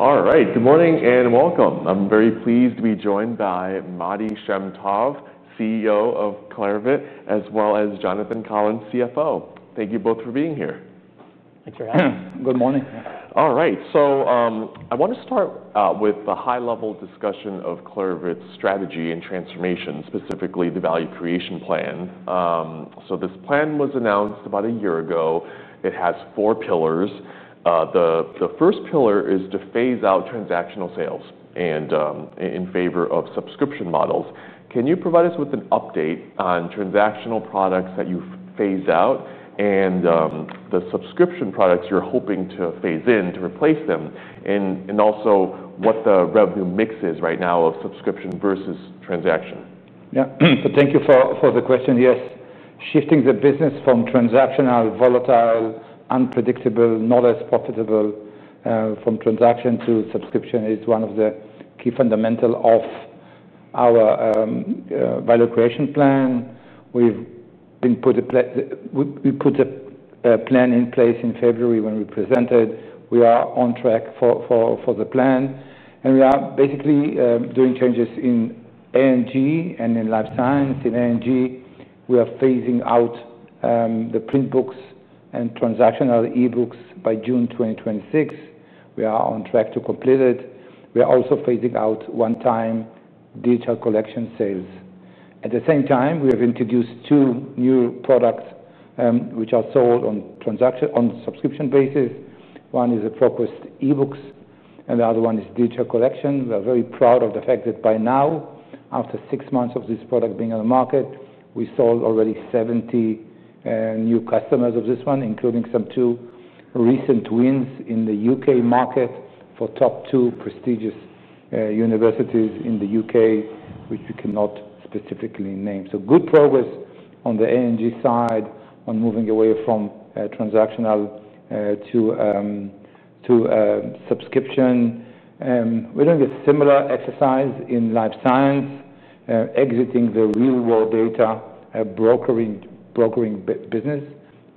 All right, good morning and welcome. I'm very pleased to be joined by Matti Shem Tov, CEO of Clarivate, as well as Jonathan Collins, CFO. Thank you both for being here. Thanks for having me. Good morning. All right, I want to start with the high-level discussion of Clarivate's strategy and transformation, specifically the Value Creation Plan. This plan was announced about a year ago. It has four pillars. The first pillar is to phase out transactional sales in favor of subscription models. Can you provide us with an update on transactional products that you've phased out and the subscription products you're hoping to phase in to replace them? Also, what the revenue mix is right now of subscription versus transaction. Yeah, so thank you for the question. Yes, shifting the business from transactional, volatile, unpredictable, not as profitable, from transaction to subscription is one of the key fundamentals of our Value Creation Plan. We put a plan in place in February when we presented. We are on track for the plan. We are basically doing changes in A&G and in life science. In A&G, we are phasing out the print books and transactional e-books by June 2026. We are on track to complete it. We are also phasing out one-time digital collection sales. At the same time, we have introduced two new products, which are sold on a subscription basis. One is the ProQuest e-books, and the other one is digital collection. We are very proud of the fact that by now, after six months of this product being on the market, we sold already 70 new customers of this one, including some two recent wins in the UK market for top two prestigious universities in the UK, which we cannot specifically name. Good progress on the A&G side on moving away from transactional to subscription. We're doing a similar exercise in life science, exiting the real-world data brokering business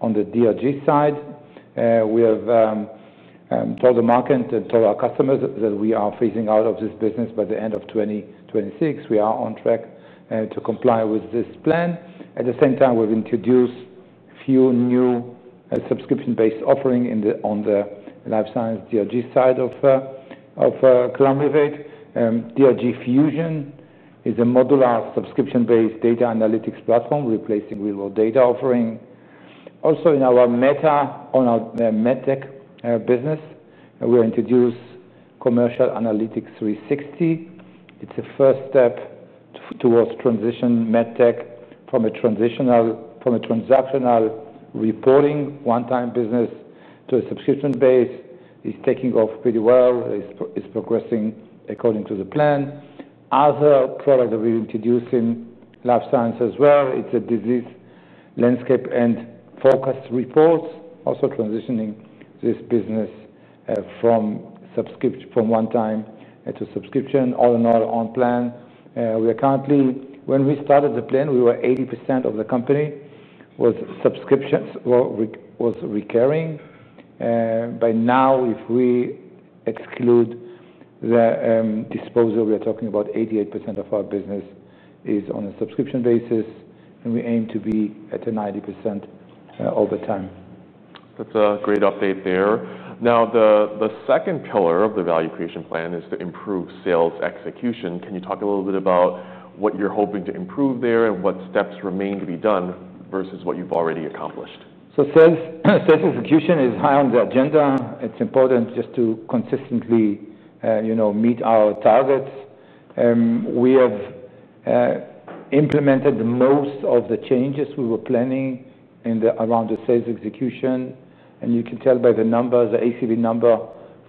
on the DRG side. We have told the market and told our customers that we are phasing out of this business by the end of 2026. We are on track to comply with this plan. At the same time, we've introduced a few new subscription-based offerings on the life science DRG side of Clarivate. DRG Fusion is a modular subscription-based data analytics platform replacing real-world data offering. Also, in our medtech business, we introduced Commercial Analytics 360. It's a first step towards transitioning medtech from a transactional reporting one-time business to a subscription base. It's taking off pretty well. It's progressing according to the plan. Other products that we're introducing in life science as well, it's a disease landscape and forecast reports, also transitioning this business from one-time to subscription, all in all on plan. We are currently, when we started the plan, we were 80% of the company was subscriptions, was recurring. By now, if we exclude the disposal, we are talking about 88% of our business is on a subscription basis, and we aim to be at 90% over time. That's a great update there. Now, the second pillar of the Value Creation Plan is to improve sales execution. Can you talk a little bit about what you're hoping to improve there and what steps remain to be done versus what you've already accomplished? Sales execution is high on the agenda. It's important just to consistently, you know, meet our targets. We have implemented most of the changes we were planning around the sales execution. You can tell by the numbers, the ACV number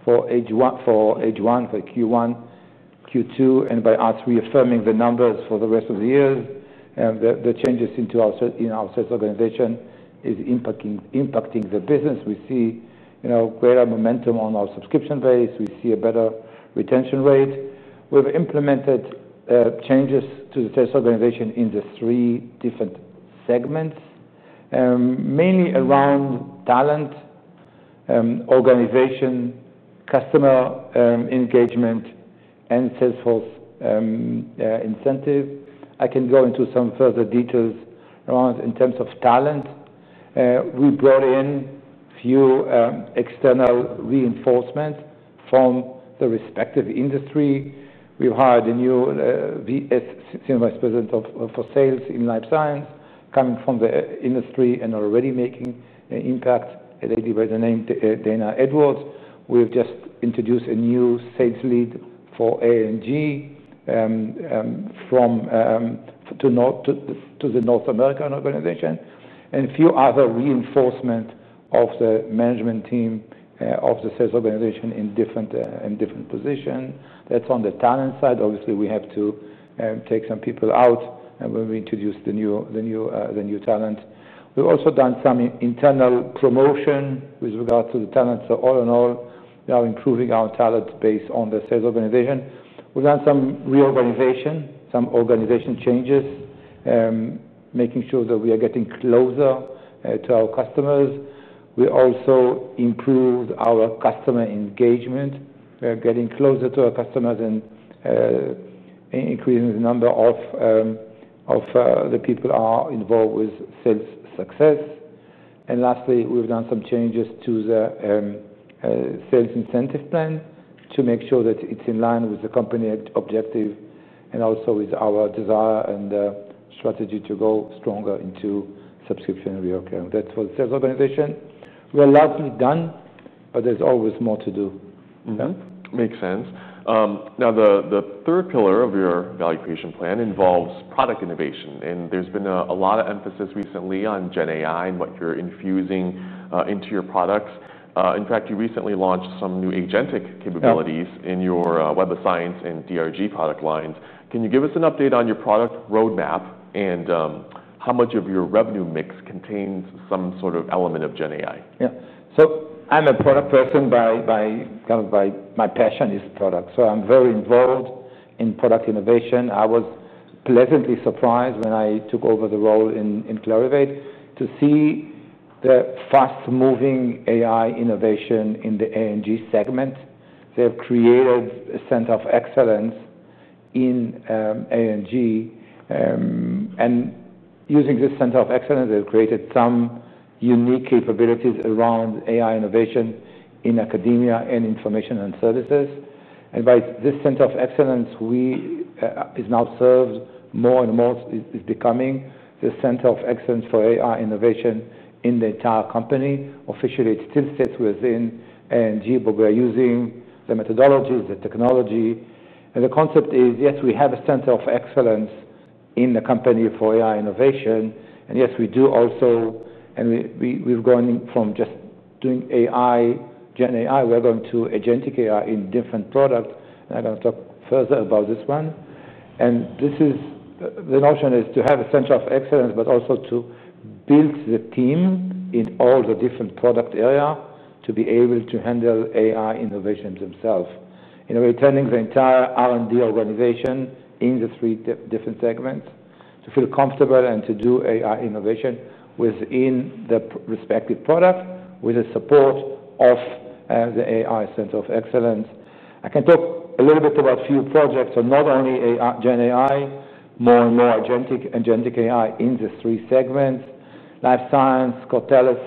for H1, for Q1, Q2, and by us reaffirming the numbers for the rest of the year. The changes in our sales organization are impacting the business. We see, you know, greater momentum on our subscription base. We see a better retention rate. We've implemented changes to the sales organization in the three different segments, mainly around talent, organization, customer engagement, and salesforce incentives. I can go into some further details in terms of talent. We brought in a few external reinforcements from the respective industry. We've hired a new Senior Vice President for Sales in Life Science, coming from the industry and already making an impact, a lady by the name Dana Edwards. We've just introduced a new sales lead for A&G to the North American organization and a few other reinforcements of the management team of the sales organization in different positions. That's on the talent side. Obviously, we have to take some people out when we introduce the new talent. We've also done some internal promotion with regards to the talent. All in all, we are improving our talent base on the sales organization. We've done some reorganization, some organization changes, making sure that we are getting closer to our customers. We also improved our customer engagement. We are getting closer to our customers and increasing the number of the people who are involved with sales success. Lastly, we've done some changes to the sales incentive plan to make sure that it's in line with the company objective and also with our desire and strategy to go stronger into subscription reoccurring. That's for the sales organization. We are largely done, but there's always more to do. Makes sense. Now, the third pillar of your Value Creation Plan involves product innovation. There's been a lot of emphasis recently on GenAI and what you're infusing into your products. In fact, you recently launched some new agentic capabilities in your Web of Science and DRG product lines. Can you give us an update on your product roadmap and how much of your revenue mix contains some sort of element of GenAI? Yeah, so I'm a product person by, by kind of by my passion is product. I'm very involved in product innovation. I was pleasantly surprised when I took over the role in Clarivate to see the fast-moving AI innovation in the A&G segment. They've created a center of excellence in A&G. Using this center of excellence, they've created some unique capabilities around AI innovation in academia and information and services. By this center of excellence, we, is now served more and more, is becoming the center of excellence for AI innovation in the entire company. Officially, it still sits within A&G, but we are using the methodologies, the technology. The concept is, yes, we have a center of excellence in the company for AI innovation. Yes, we do also, and we've gone from just doing AI, GenAI, we're going to agentic AI in different products. I'm going to talk further about this one. This is the notion, to have a center of excellence, but also to build the team in all the different product areas to be able to handle AI innovations themselves. We're attending the entire R&D organization in the three different segments to feel comfortable and to do AI innovation within the respective product with the support of the AI center of excellence. I can talk a little bit about a few projects, so not only GenAI, more and more agentic AI in these three segments. Life science, Cortellis,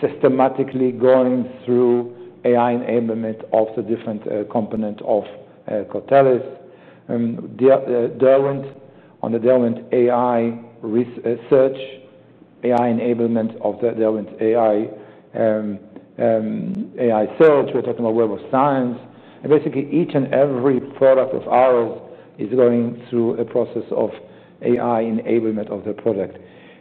systematically going through AI enablement of the different components of Cortellis. Derwent, on the Derwent AI research, AI enablement of the Derwent AI, AI search. We're talking about Web of Science. Basically, each and every product of ours is going through a process of AI enablement of the product.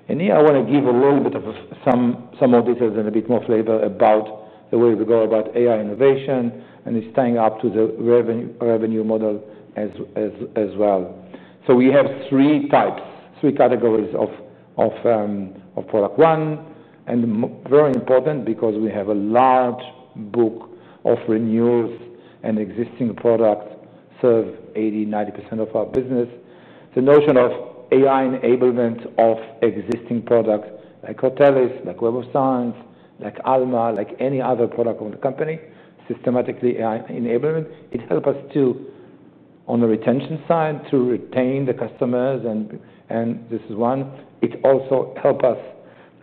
Here, I want to give a little bit of some more details and a bit more flavor about the way we go about AI innovation and it's tying up to the revenue model as well. We have three types, three categories of product. One, and very important because we have a large book of renewals and existing products serve 80-90% of our business. The notion of AI enablement of existing products like Cortellis, like Web of Science, like Alma, like any other product of the company, systematically AI enablement, it helps us to, on the retention side, to retain the customers. This is one. It also helps us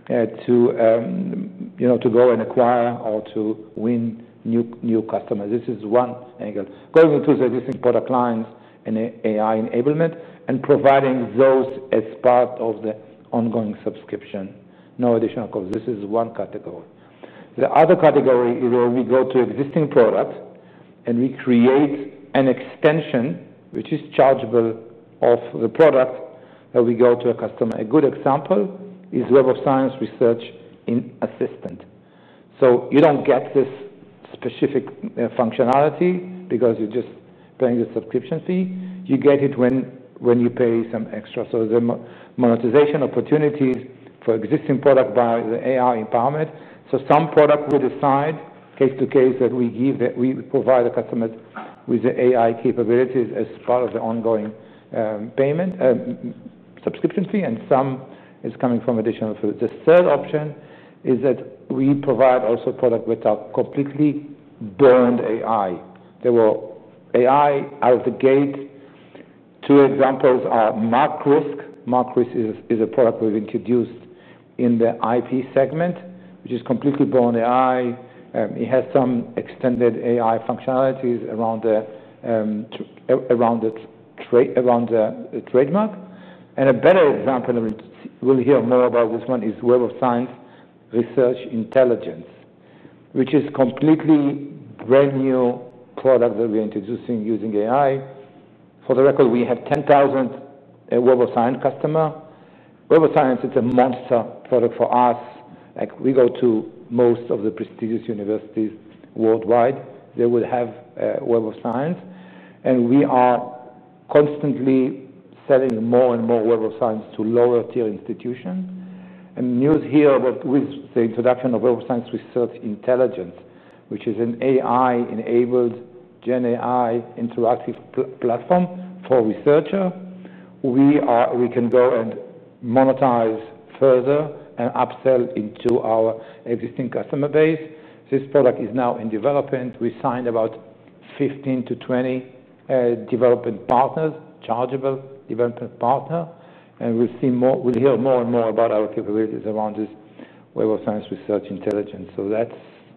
to, you know, to go and acquire or to win new customers. This is one angle. Going into the existing product lines and AI enablement and providing those as part of the ongoing subscription, no additional cost. This is one category. The other category is where we go to existing products and we create an extension, which is chargeable of the product, and we go to a customer. A good example is Web of Science Research Assistant. You don't get this specific functionality because you're just paying your subscription fee. You get it when you pay some extra. The monetization opportunities for existing products by the AI empowerment. Some products we decide, case to case, that we provide the customer with the AI capabilities as part of the ongoing payment, subscription fee, and some is coming from additional fees. The third option is that we provide also products with a completely born AI. They were AI out of the gate. Two examples are MacRisk. MacRisk is a product we've introduced in the IP segment, which is completely born AI. It has some extended AI functionalities around the trademark. A better example, and we'll hear more about this one, is Web of Science Research Intelligence, which is a completely brand new product that we're introducing using AI. For the record, we had 10,000 Web of Science customers. Web of Science is a monster product for us. We go to most of the prestigious universities worldwide. They will have Web of Science. We are constantly selling more and more Web of Science to lower-tier institutions. News here with the introduction of Web of Science Research Intelligence, which is an AI-enabled GenAI interactive platform for researchers. We can go and monetize further and upsell into our existing customer base. This product is now in development. We signed about 15 to 20 development partners, chargeable development partners. We'll see more, we'll hear more and more about our capabilities around this Web of Science Research Intelligence. That's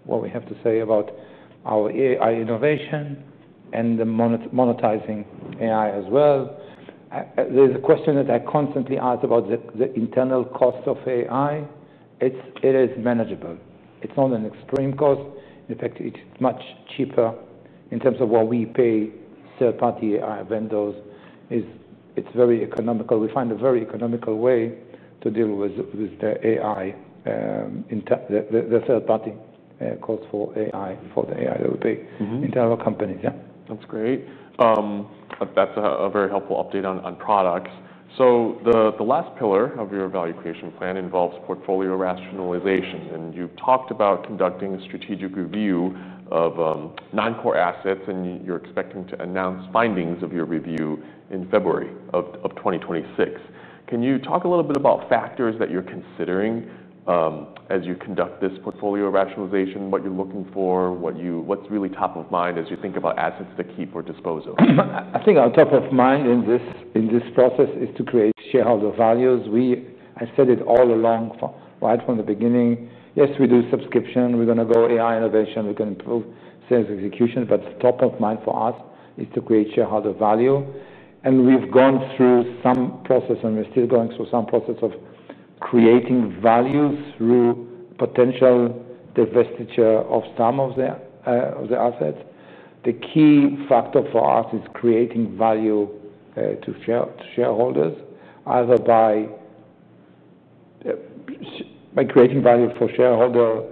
what we have to say about our AI innovation and the monetizing AI as well. There's a question that I constantly ask about the internal cost of AI. It is manageable. It's not an extreme cost. In fact, it's much cheaper in terms of what we pay third-party AI vendors. It's very economical. We find a very economical way to deal with the AI, the third-party cost for AI, for the AI that we pay internal companies. Yeah. That's great. That's a very helpful update on products. The last pillar of your Value Creation Plan involves portfolio rationalization. You've talked about conducting a strategic review of non-core assets, and you're expecting to announce findings of your review in February 2026. Can you talk a little bit about factors that you're considering as you conduct this portfolio rationalization, what you're looking for, what's really top of mind as you think about assets to keep or dispose of? I think our top of mind in this process is to create shareholder value. We, I said it all along, right from the beginning. Yes, we do subscription. We're going to go AI innovation. We can improve sales execution. Top of mind for us is to create shareholder value. We've gone through some process, and we're still going through some process of creating value through potential divestiture of some of the assets. The key factor for us is creating value to shareholders, either by creating value for shareholders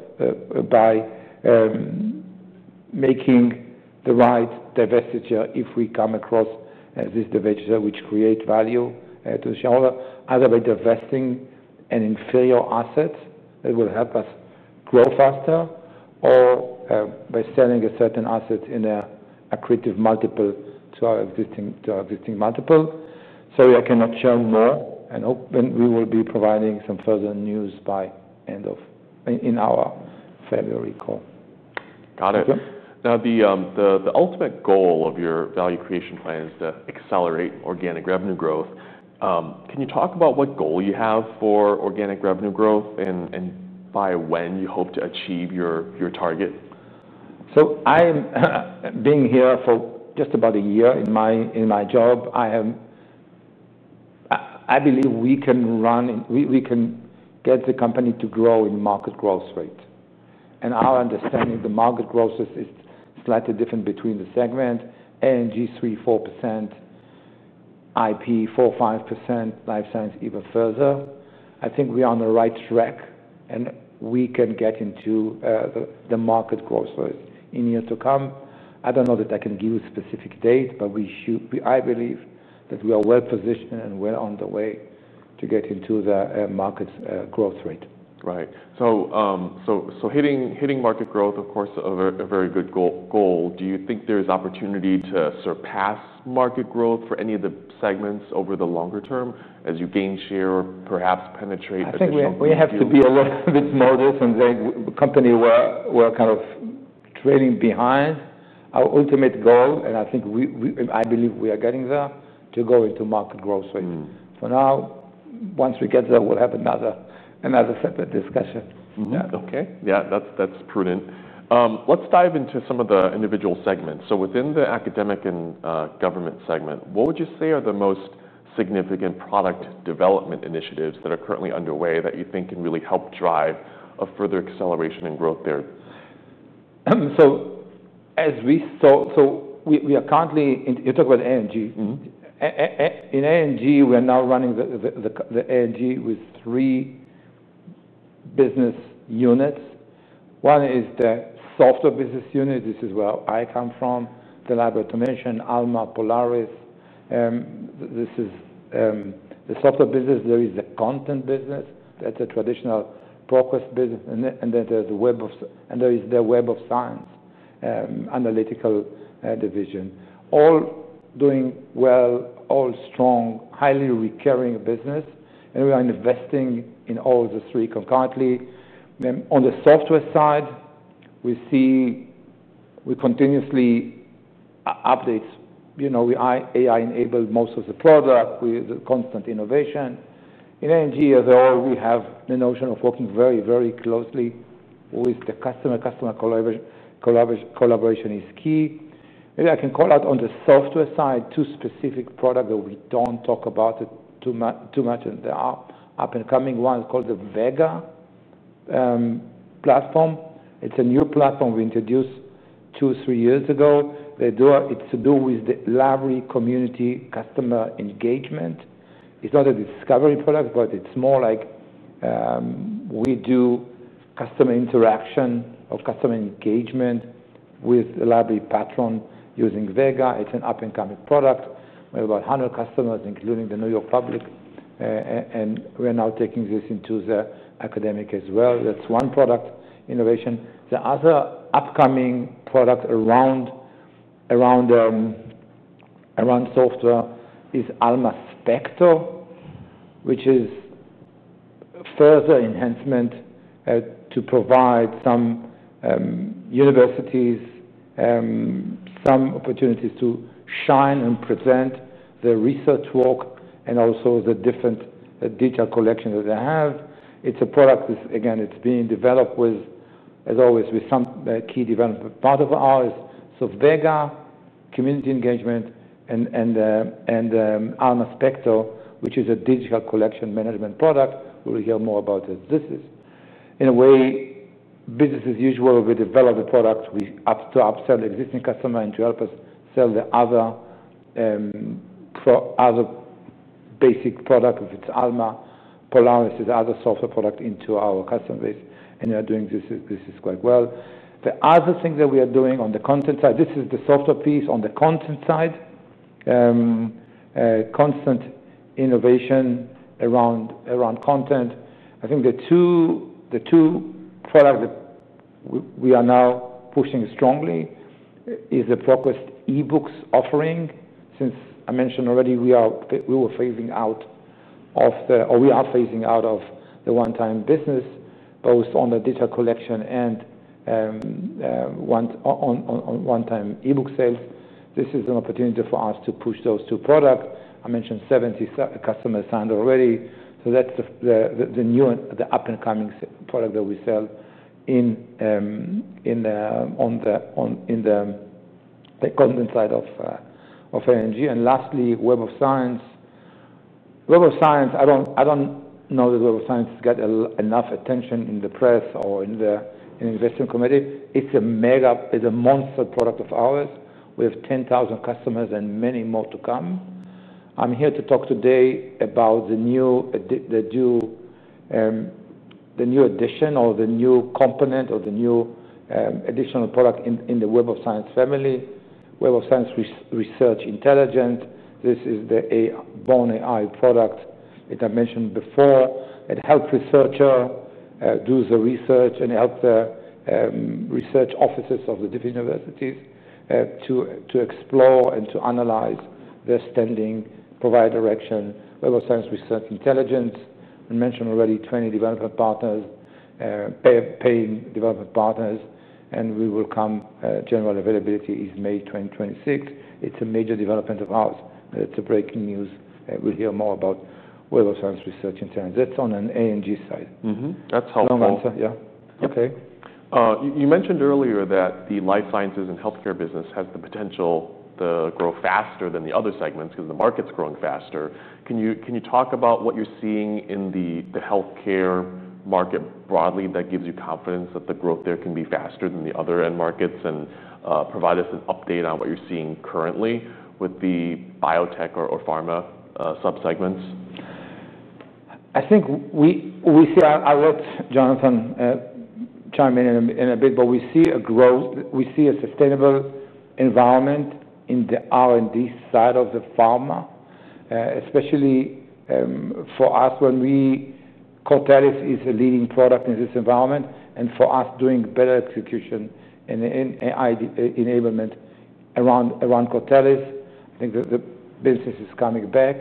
by making the right divestiture if we come across this divestiture, which creates value to the shareholder, either by divesting in inferior assets that will help us grow faster, or by selling certain assets in a creative multiple to our existing multiple. We cannot share more and hope we will be providing some further news by the end of in our February call. Got it. Now, the ultimate goal of your Value Creation Plan is to accelerate organic revenue growth. Can you talk about what goal you have for organic revenue growth and by when you hope to achieve your target? I've been here for just about a year in my job. I believe we can run and we can get the company to grow in market growth rate. Our understanding, the market growth rate is slightly different between the segments. A&G 3%, 4%, IP 4%, 5%, life science even further. I think we are on the right track and we can get into the market growth rate in years to come. I don't know that I can give you specific dates, but we should, I believe that we are well positioned and well on the way to get into the market growth rate. Right. Hitting market growth, of course, is a very good goal. Do you think there's opportunity to surpass market growth for any of the segments over the longer term as you gain share or perhaps penetrate a segment? I think we have to be a little bit modest and say the company, we're kind of trailing behind our ultimate goal. I think we, I believe we are getting there to go into market growth rate. For now, once we get there, we'll have another separate discussion. Okay, that's prudent. Let's dive into some of the individual segments. Within the academic and government segment, what would you say are the most significant product development initiatives that are currently underway that you think can really help drive a further acceleration and growth there? As we saw, we are currently, you talk about A&G. In A&G, we're now running the A&G with three business units. One is the software business unit. This is where I come from, the library automation, Alma, Polaris. This is the software business. There is the content business. That's a traditional ProQuest business. There is the Web of Science analytical division. All doing well, all strong, highly recurring business. We are investing in all of the three concurrently. On the software side, we see we continuously update. We AI-enable most of the product with constant innovation. In A&G as well, we have the notion of working very, very closely with the customer. Customer collaboration is key. I can call out on the software side two specific products that we don't talk about too much. There are up-and-coming ones called the Vega platform. It's a new platform we introduced two or three years ago. It's to do with the library community customer engagement. It's not a discovery product, but it's more like we do customer interaction or customer engagement with the library patron using Vega. It's an up-and-coming product. We have about 100 customers, including the New York Public. We are now taking this into the academic as well. That's one product innovation. The other upcoming product around software is Alma Spectre, which is further enhancement to provide some universities some opportunities to shine and present their research work and also the different digital collections that they have. It's a product that, again, it's being developed with, as always, with some key development. Part of ours is Vega community engagement and Alma Spectre, which is a digital collection management product. We'll hear more about it. This is, in a way, business as usual. We develop the products. We upsell the existing customer and to help us sell the other basic product, if it's Alma, Polaris, or the other software product into our customer base. We are doing this. This is quite well. The other thing that we are doing on the content side, this is the software piece on the content side, constant innovation around content. I think the two products that we are now pushing strongly are the ProQuest e-books offering. Since I mentioned already, we are phasing out of the, or we are phasing out of the one-time business, both on the digital collection and one-time e-book sales. This is an opportunity for us to push those two products. I mentioned 70 customers signed already. That's the new and the up-and-coming product that we sell in the content side of A&G. Lastly, Web of Science. Web of Science, I don't know that Web of Science has got enough attention in the press or in the investment committee. It's a mega, it's a monster product of ours. We have 10,000 customers and many more to come. I'm here to talk today about the new addition or the new component or the new additional product in the Web of Science family, Web of Science Research Intelligence. This is the born AI product. As I mentioned before, it helps researchers do the research and helps the research offices of the different universities to explore and to analyze their standing, provide direction. Web of Science Research Intelligence, I mentioned already, training development partners, paying development partners, and we will come. General availability is May 2026. It's a major development of ours. That's breaking news. We'll hear more about Web of Science Research Intelligence. That's on an A&G side. That's helpful. Long answer. Yeah. Okay. You mentioned earlier that the life sciences and healthcare business has the potential to grow faster than the other segments because the market's growing faster. Can you talk about what you're seeing in the healthcare market broadly that gives you confidence that the growth there can be faster than the other end markets and provide us an update on what you're seeing currently with the biotech or pharma subsegments? I think we see, I'll let Jonathan chime in in a bit, but we see a growth. We see a sustainable environment in the R&D side of the pharma, especially for us when Cortellis is a leading product in this environment and for us doing better execution and AI enablement around Cortellis. I think the business is coming back.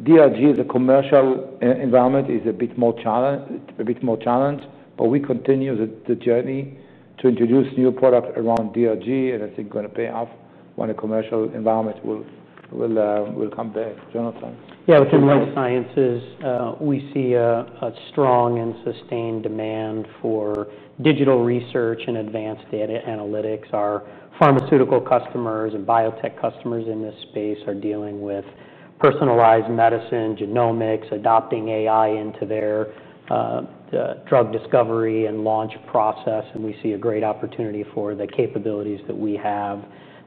DRG, the commercial environment is a bit more challenged, but we continue the journey to introduce new products around DRG, and I think it's going to pay off when the commercial environment will come back. Jonathan? Yeah, within the health sciences, we see a strong and sustained demand for digital research and advanced data analytics. Our pharmaceutical customers and biotech customers in this space are dealing with personalized medicine, genomics, adopting AI into their drug discovery and launch process, and we see a great opportunity for the capabilities that we have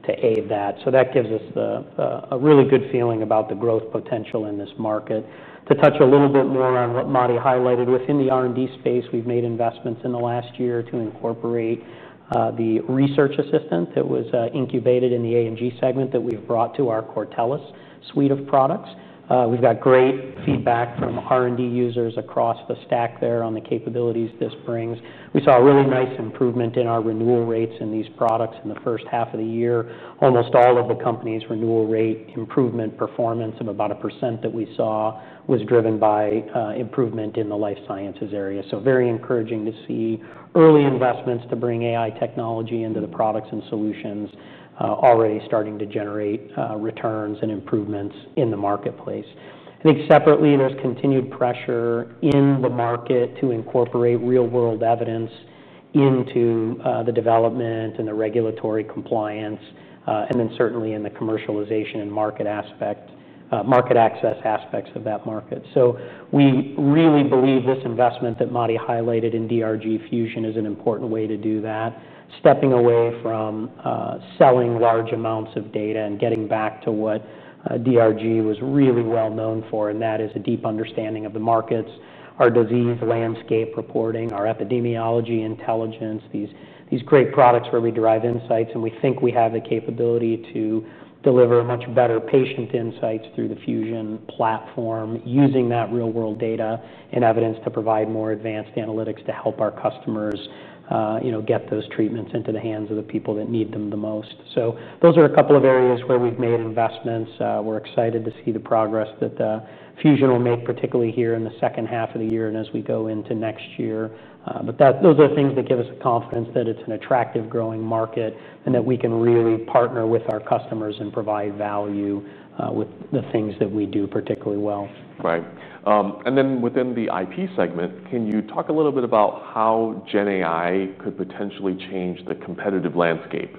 to aid that. That gives us a really good feeling about the growth potential in this market. To touch a little bit more on what Matti highlighted, within the R&D space, we've made investments in the last year to incorporate the research assistant that was incubated in the A&G segment that we've brought to our Cortellis suite of products. We've got great feedback from R&D users across the stack there on the capabilities this brings. We saw a really nice improvement in our renewal rates in these products in the first half of the year. Almost all of the company's renewal rate improvement performance of about 1% that we saw was driven by improvement in the life sciences area. It is very encouraging to see early investments to bring AI technology into the products and solutions already starting to generate returns and improvements in the marketplace. I think separately, there's continued pressure in the market to incorporate real-world evidence into the development and the regulatory compliance, and then certainly in the commercialization and market access aspects of that market. We really believe this investment that Matti highlighted in DRG Fusion is an important way to do that, stepping away from selling large amounts of data and getting back to what DRG was really well known for, and that is a deep understanding of the markets, our disease landscape reporting, our epidemiology intelligence, these great products where we derive insights, and we think we have the capability to deliver much better patient insights through the Fusion platform using that real-world data and evidence to provide more advanced analytics to help our customers get those treatments into the hands of the people that need them the most. Those are a couple of areas where we've made investments. We're excited to see the progress that the Fusion will make, particularly here in the second half of the year and as we go into next year. Those are things that give us the confidence that it's an attractive growing market and that we can really partner with our customers and provide value with the things that we do particularly well. Right. Within the IP segment, can you talk a little bit about how GenAI could potentially change the competitive landscape,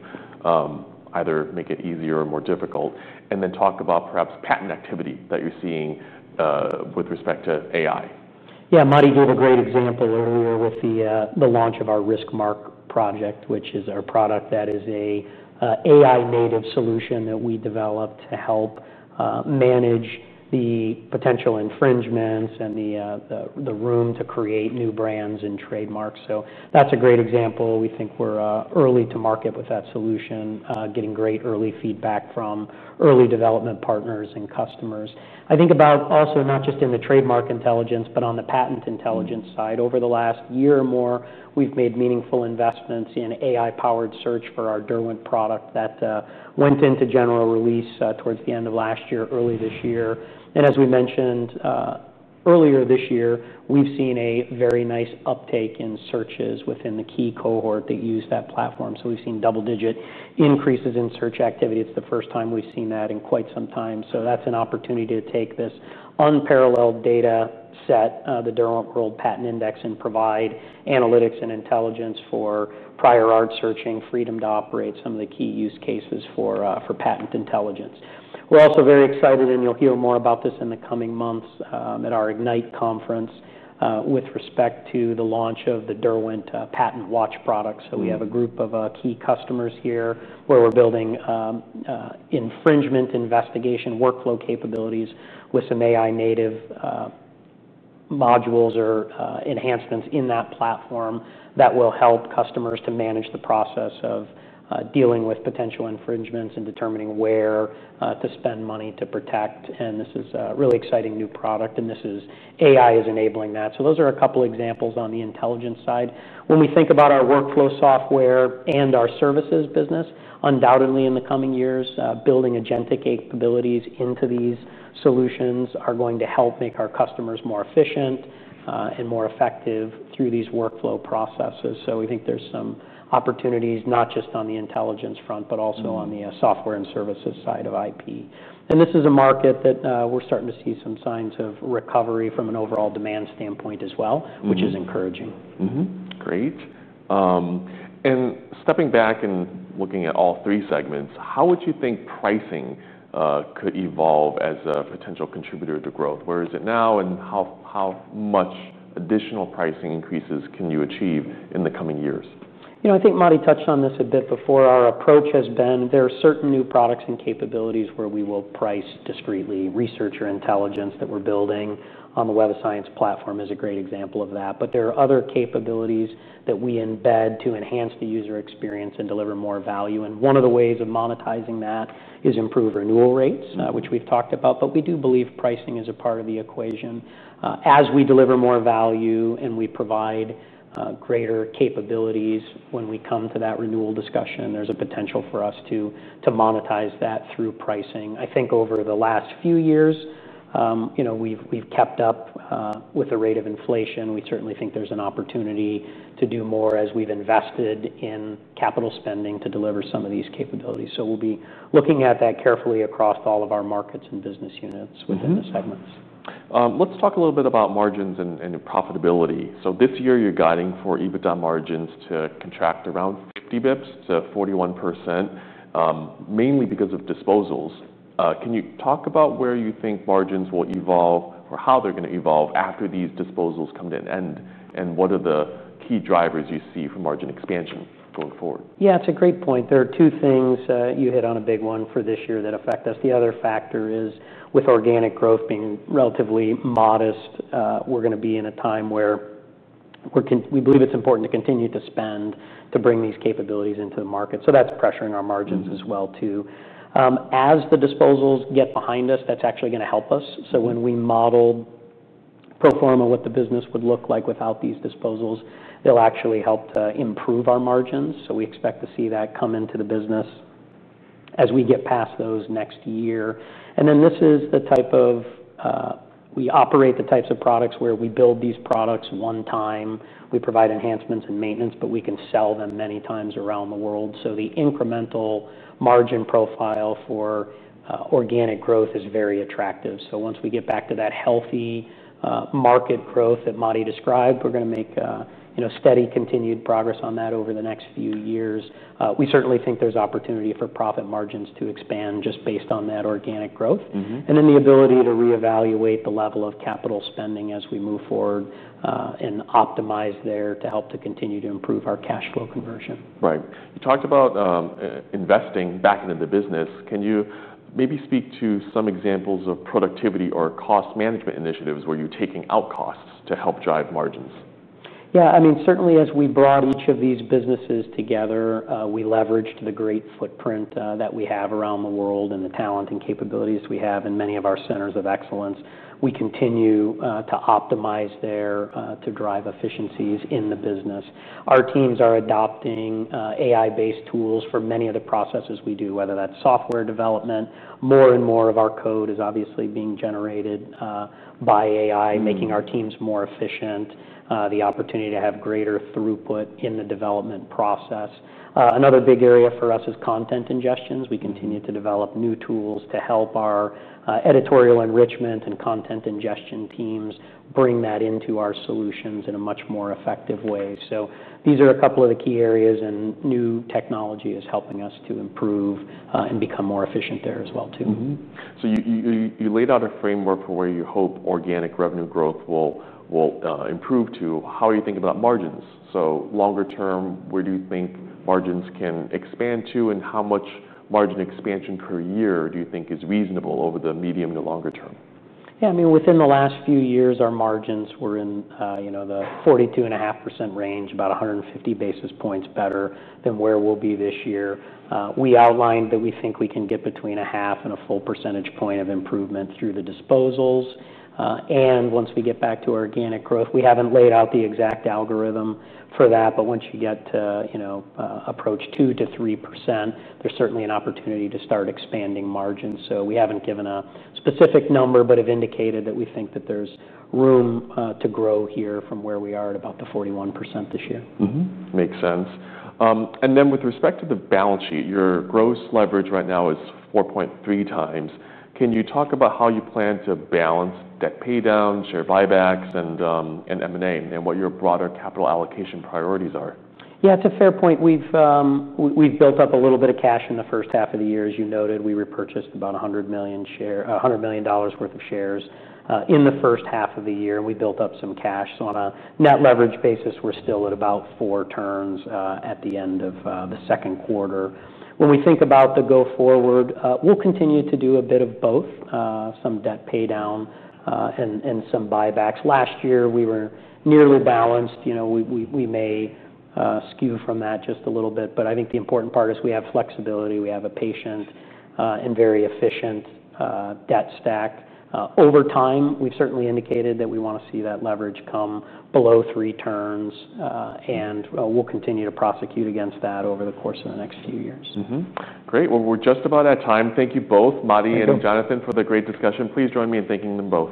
either make it easier or more difficult, and then talk about perhaps patent activity that you're seeing with respect to AI? Yeah, Matti gave a great example earlier with the launch of our MacRisk project, which is a product that is an AI-native solution that we developed to help manage the potential infringements and the room to create new brands and trademarks. That's a great example. We think we're early to market with that solution, getting great early feedback from early development partners and customers. I think about also not just in the trademark intelligence, but on the patent intelligence side. Over the last year or more, we've made meaningful investments in AI-powered search for our Derwent product that went into general release towards the end of last year, early this year. As we mentioned earlier this year, we've seen a very nice uptake in searches within the key cohort that use that platform. We've seen double-digit increases in search activity. It's the first time we've seen that in quite some time. That's an opportunity to take this unparalleled data set, the Derwent World Patent Index, and provide analytics and intelligence for prior art searching, freedom to operate, some of the key use cases for patent intelligence. We're also very excited, and you'll hear more about this in the coming months at our Ignite conference with respect to the launch of the Derwent patent watch product. We have a group of key customers here where we're building infringement investigation workflow capabilities with some AI-native modules or enhancements in that platform that will help customers to manage the process of dealing with potential infringements and determining where to spend money to protect. This is a really exciting new product, and this is AI is enabling that. Those are a couple of examples on the intelligence side. When we think about our workflow software and our services business, undoubtedly in the coming years, building agentic capabilities into these solutions are going to help make our customers more efficient and more effective through these workflow processes. We think there's some opportunities not just on the intelligence front, but also on the software and services side of IP. This is a market that we're starting to see some signs of recovery from an overall demand standpoint as well, which is encouraging. Great. Stepping back and looking at all three segments, how would you think pricing could evolve as a potential contributor to growth? Where is it now, and how much additional pricing increases can you achieve in the coming years? I think Matti touched on this a bit before. Our approach has been there are certain new products and capabilities where we will price discretely. Research Intelligence that we're building on the Web of Science platform is a great example of that. There are other capabilities that we embed to enhance the user experience and deliver more value. One of the ways of monetizing that is improved renewal rates, which we've talked about. We do believe pricing is a part of the equation. As we deliver more value and we provide greater capabilities when we come to that renewal discussion, there's a potential for us to monetize that through pricing. I think over the last few years, you know we've kept up with the rate of inflation. We certainly think there's an opportunity to do more as we've invested in capital spending to deliver some of these capabilities. We'll be looking at that carefully across all of our markets and business units within the segments. Let's talk a little bit about margins and profitability. This year, you're guiding for EBITDA margins to contract around 50 bps to 41%, mainly because of disposals. Can you talk about where you think margins will evolve or how they're going to evolve after these disposals come to an end? What are the key drivers you see for margin expansion going forward? Yeah, it's a great point. There are two things. You hit on a big one for this year that affect us. The other factor is with organic growth being relatively modest, we're going to be in a time where we believe it's important to continue to spend to bring these capabilities into the market. That's pressuring our margins as well too. As the disposals get behind us, that's actually going to help us. When we model pro forma what the business would look like without these disposals, it'll actually help to improve our margins. We expect to see that come into the business as we get past those next year. This is the type of, we operate the types of products where we build these products one time. We provide enhancements and maintenance, but we can sell them many times around the world. The incremental margin profile for organic growth is very attractive. Once we get back to that healthy market growth that Matti described, we're going to make steady continued progress on that over the next few years. We certainly think there's opportunity for profit margins to expand just based on that organic growth. The ability to reevaluate the level of capital spending as we move forward and optimize there helps to continue to improve our cash flow conversion. Right. You talked about investing back into the business. Can you maybe speak to some examples of productivity or cost management initiatives where you're taking out costs to help drive margins? Yeah, I mean, certainly as we brought each of these businesses together, we leveraged the great footprint that we have around the world and the talent and capabilities we have in many of our centers of excellence. We continue to optimize there to drive efficiencies in the business. Our teams are adopting AI-based tools for many of the processes we do, whether that's software development. More and more of our code is obviously being generated by AI, making our teams more efficient, the opportunity to have greater throughput in the development process. Another big area for us is content ingestions. We continue to develop new tools to help our editorial enrichment and content ingestion teams bring that into our solutions in a much more effective way. These are a couple of the key areas, and new technology is helping us to improve and become more efficient there as well too. You laid out a framework for where you hope organic revenue growth will improve to. How are you thinking about margins? Longer term, where do you think margins can expand to, and how much margin expansion per year do you think is reasonable over the medium to longer term? Yeah, I mean, within the last few years, our margins were in the 42.5% range, about 150 basis points better than where we'll be this year. We outlined that we think we can get between a half and a full percentage point of improvement through the disposals. Once we get back to organic growth, we haven't laid out the exact algorithm for that, but once you get to approach 2% to 3%, there's certainly an opportunity to start expanding margins. We haven't given a specific number, but have indicated that we think that there's room to grow here from where we are at about the 41% this year. Makes sense. With respect to the balance sheet, your gross leverage right now is 4.3 times. Can you talk about how you plan to balance debt paydown, share buybacks, and M&A, and what your broader capital allocation priorities are? Yeah, it's a fair point. We've built up a little bit of cash in the first half of the year. As you noted, we repurchased about $100 million worth of shares in the first half of the year, and we built up some cash. On a net leverage basis, we're still at about four turns at the end of the second quarter. When we think about the go-forward, we'll continue to do a bit of both, some debt paydown and some buybacks. Last year, we were nearly balanced. We may skew from that just a little bit, but I think the important part is we have flexibility. We have a patient and very efficient debt stack. Over time, we've certainly indicated that we want to see that leverage come below three turns, and we'll continue to prosecute against that over the course of the next few years. Great. We're just about at time. Thank you both, Matti and Jonathan, for the great discussion. Please join me in thanking them both.